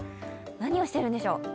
何をしているんでしょう？